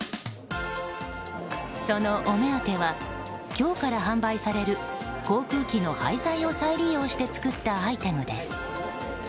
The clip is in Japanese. そのお目当ては今日から販売される航空機の廃材を再利用されて作ったアイテムです。